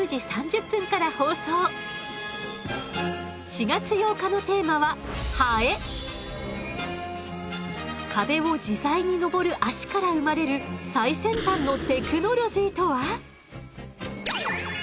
４月８日のテーマは壁を自在に登る脚から生まれる最先端のテクノロジーとは？